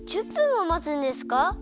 １０分もまつんですか？